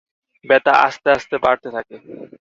ব্যাথা আস্তে আস্তে বাড়তে থাকে।